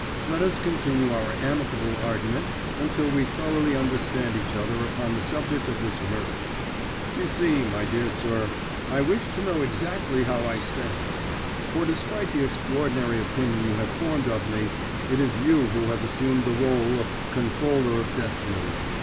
Let us continue our amicable argument until we thoroughly understand each other upon the subject of this murder. You see, my dear sir, I wish to know exactly how I stand; for despite the extraordinary opinion you have formed of me, it is you who have assumed the rôle of Controller of Destinies.